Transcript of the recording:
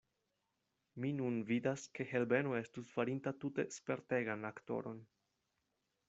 Mi nun vidas, ke Herbeno estus farinta tute spertegan aktoron.